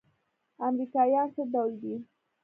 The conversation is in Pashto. امريکايان څه ډول دي.